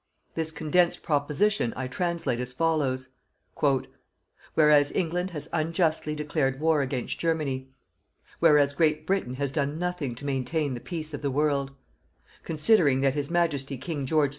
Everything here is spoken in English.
This condensed proposition, I translate as follows: "Whereas England has unjustly declared war against Germany; "Whereas Great Britain has done nothing to maintain the peace of the world; "Considering that His Majesty King George V.